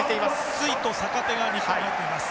ツイと坂手が日本入っています。